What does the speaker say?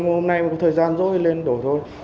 hôm nay một thời gian dối lên đổi thôi